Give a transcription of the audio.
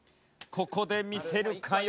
ここで見せるか？